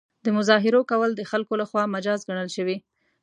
د مظاهرو کول د خلکو له خوا مجاز ګڼل شوي.